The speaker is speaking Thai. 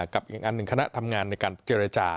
กับอีกอันหนึ่งคณะทำงานในการเจรจา